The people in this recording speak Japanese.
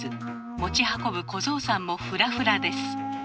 持ち運ぶ小僧さんもフラフラです。